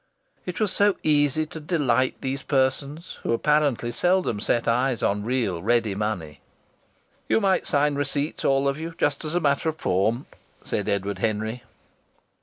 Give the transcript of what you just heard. It was so easy to delight these persons who apparently seldom set eyes on real ready money. "You might sign receipts, all of you, just as a matter of form," said Edward Henry.